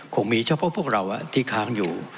คงมีเฉพาะพวกเราที่ค้างอยู่